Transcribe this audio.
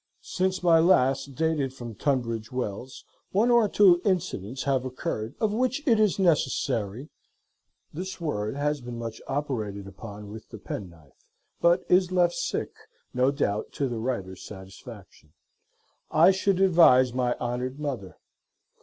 "Since my last, dated from Tunbridge Wells, one or two insadence have occurred of which it is nessasery [This word has been much operated upon with the penknife, but is left sic, no doubt to the writer's satisfaction.] I should advise my honored Mother.